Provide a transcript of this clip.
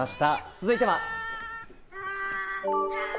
続いては。